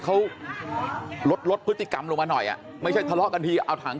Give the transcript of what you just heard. เขาลดลดพฤติกรรมลงมาหน่อยอ่ะไม่ใช่ทะเลาะกันทีเอาถัง